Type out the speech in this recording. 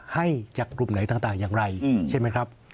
ให้จากกลุ่มไหนต่างอย่างไรใช่ไหมครับ